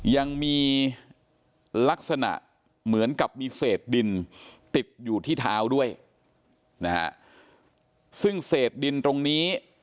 ยังมีลักษณะเหมือนกับมีเศษดินติดอยู่ที่เท้าด้วยนะฮะซึ่งเศษดินตรงนี้